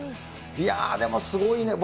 いやー、でもすごいね。